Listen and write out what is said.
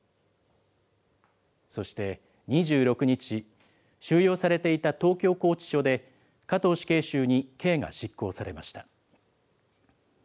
そして２６日、収容されていた東京拘置所で、加藤死刑囚に刑が執行されました。